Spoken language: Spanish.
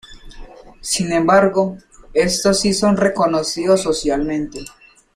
Sin embargo, estos si son reconocidos socialmente.